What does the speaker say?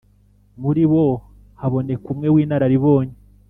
muri bo haboneka umwe w'inararibonye,